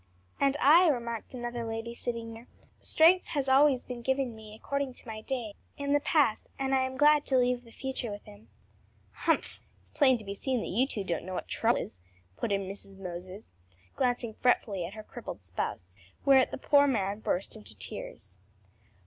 "And I," remarked another lady sitting near; "strength has always been given me according to my day, in the past, and I am glad to leave the future with him." "Humph! it's plain to be seen that you two don't know what trouble is," put in Mrs. Moses, glancing fretfully at her crippled spouse; whereat the poor man burst into tears.